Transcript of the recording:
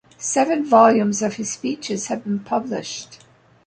Seven volumes of his speeches have been published.